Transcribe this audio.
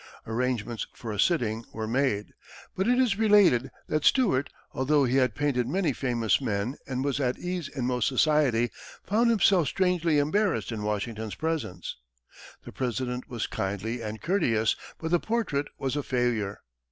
Arrangements for a sitting were made, but it is related that Stuart, although he had painted many famous men and was at ease in most society, found himself strangely embarrassed in Washington's presence. The President was kindly and courteous, but the portrait was a failure.